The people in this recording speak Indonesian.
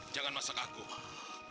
saya adalah raja gurameh